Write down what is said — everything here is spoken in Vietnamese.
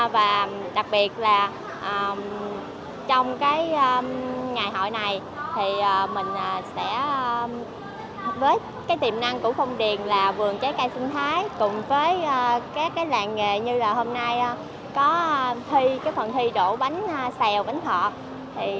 và đặc biệt là trong ngày hội này mình sẽ với tiềm năng của phong điền là vườn trái cây sinh thái cùng với các làng nghề như là hôm nay có phần thi đổ bánh xèo bánh thọt